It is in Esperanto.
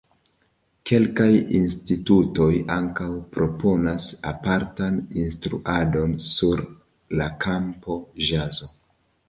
Kelkaj institutoj ankaŭ proponas apartan instruadon sur la kampo ĵazo.